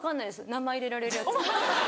名前入れられるやつ。